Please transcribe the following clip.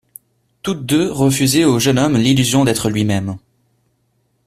Toutes deux refusaient au jeune homme l'illusion d'être lui-même.